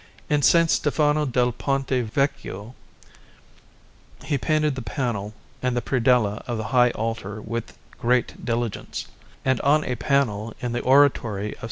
In S. Stefano del Ponte Vecchio he painted the panel and the predella of the high altar with great diligence; and on a panel in the Oratory of S.